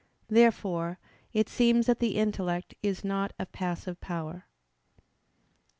Therefore it seems that the intellect is not a passive power. Obj.